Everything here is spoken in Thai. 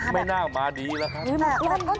ไม่น่ามาดีหรอกครับ